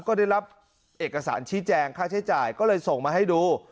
ก็ได้รับเอกสารชี้แจงค่าใช้จ่ายก็เลยส่งมาให้ดู